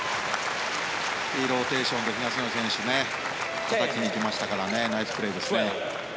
いいローテーションで東野選手たたきに行きましたからナイスプレーですね。